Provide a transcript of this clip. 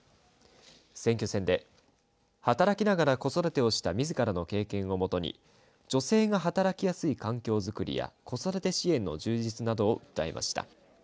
選挙戦で働きながら子育てをしたみずからの経験を基に女性が働きやすい環境づくりや子育て支援の充実などを訴えました。